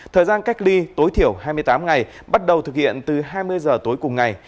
thời gian cách ly tối thiểu hai mươi tám ngày bắt đầu thực hiện từ hai mươi giờ tối cùng ngày